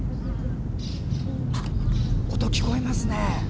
音、聞こえますね！